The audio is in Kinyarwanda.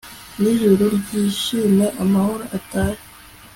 nijuru ryishime amahoro atahe